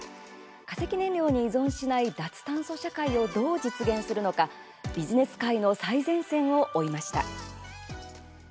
化石燃料に依存しない脱炭素社会をどう実現するのかビジネス界の最前線を追いました。